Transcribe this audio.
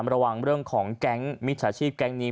ระวังเรื่องของแก๊งมิจฉาชีพแก๊งนี้